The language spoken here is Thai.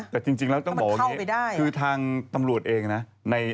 แต่จริงแล้วต้องบอกว่าอย่างนี้